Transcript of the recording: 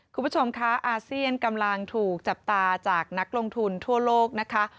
คุณผู้ชมคะอาเซียนกำลังถูกจับตาจากนักลงทุนทั่วโลกนะคะ